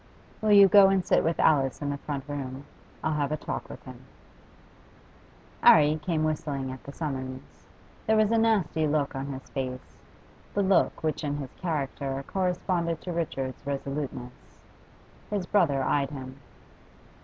'Will you go and sit with Alice in the front room? I'll have a talk with him.' 'Arry came whistling at the summons. There was a nasty look on his face, the look which in his character corresponded to Richard's resoluteness. His brother eyed him.